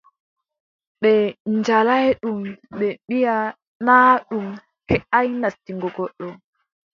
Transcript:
Ɓe njaalaay ɗum ɓe mbiʼa naa ɗum heʼaay nastingo goɗɗo.